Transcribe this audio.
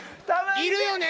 いるよね！